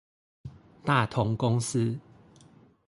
大同公司